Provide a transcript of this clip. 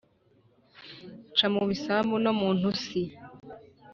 Nca mu bisambu no mu ntusi,